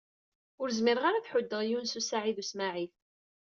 Ur zmireɣ ara ad ḥuddeɣ Yunes u Saɛid u Smaɛil.